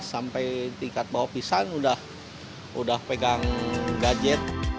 sampai tingkat bawah pisang udah pegang gadget